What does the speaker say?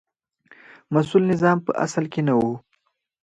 مسوول نظام په اصل کې نه و.